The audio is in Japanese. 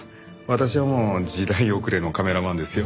私はもう時代遅れのカメラマンですよ。